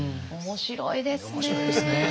面白いですね。